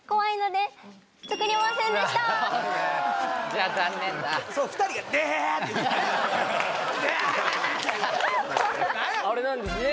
じゃあ残念だあれなんですね